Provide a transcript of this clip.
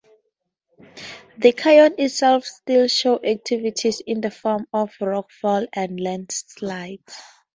The canyon itself still shows activity in the form of rockfalls and landslides.